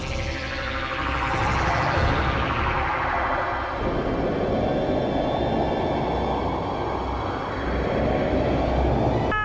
terlebih ada mab hp